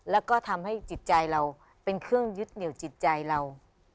แล้วก็ทำให้จิตใจเราเป็นเครื่องยึดเหนียวจิตใจเรา